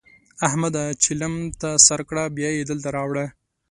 احمده! چلم ته سر کړه؛ بيا يې دلته راوړه.